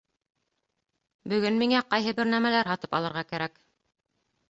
Бөгөн миңә ҡайһы бер нәмәләр һатып алырға кәрәк